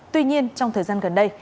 tuy nhiên trong thời gian gần đây